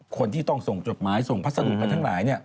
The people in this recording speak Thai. คนที่ต้องส่งจดหมายส่งพัสดุไปทั้งหลาย